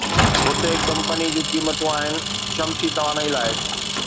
هتي هڪ ڪمپني جون قيمتون آهن شمسي توانائي لاءِ